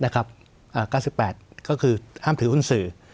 ๙๘ก็คือห้ามถือหุ้นสื่อ